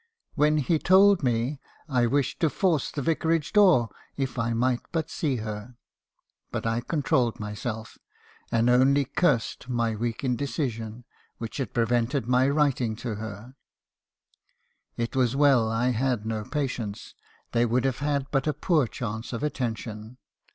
When he told me, I wished. to force the Vicarage door, if I might but see her. But I controlled myself; and only cursed my weak indecision , which had prevented my writing to her. MR. HARRISON^ CONFESSIONS. 309 It was well I had no patients ; they would have had but a poor chance of attention.